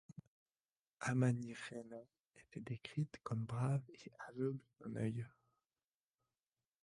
Amanirenas était décrite comme brave et aveugle d'un œil.